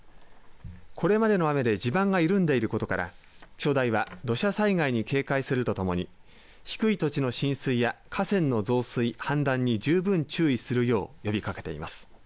これまでの雨で地盤が緩んでいることから気象台は土砂災害に警戒するとともに低い土地の浸水や河川の増水、氾濫に十分注意するよう呼びかけています。